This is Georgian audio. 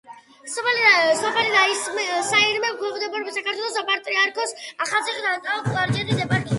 სოფელი საირმე ექვემდებარება საქართველოს საპატრიარქოს ახალციხისა და ტაო-კლარჯეთის ეპარქიას.